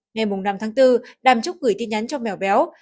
ngày năm tháng bốn đàm trúc gửi tin nhắn cho mèo béo